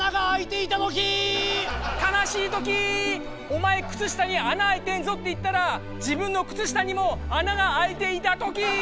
「お前靴下に穴開いてんぞ」って言ったら自分の靴下にも穴が開いていたときー！